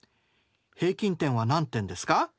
平均点は何点ですか？